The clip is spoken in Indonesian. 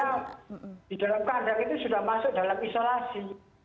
karena di dalam kandang itu sudah masuk dalam isolasi